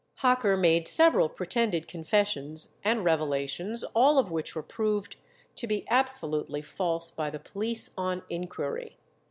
Hocker made several pretended confessions and revelations, all of which were proved to be absolutely false by the police on inquiry.